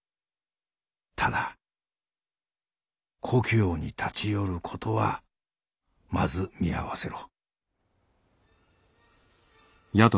ただ故郷に立ち寄ることはまず見合わせろ」。